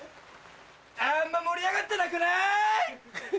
あんま盛り上がってなくない？